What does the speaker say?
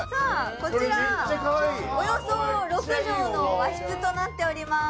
こちらおよそ６畳の和室となっております。